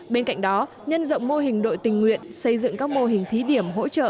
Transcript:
bên cạnh đó nhân rộng mô hình đội tình nguyện xây dựng các mô hình thí điểm hỗ trợ